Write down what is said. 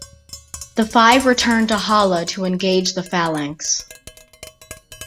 The five return to Hala to engage the Phalanx.